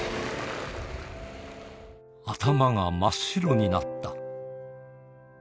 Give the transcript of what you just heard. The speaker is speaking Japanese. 頭が真っ白になった。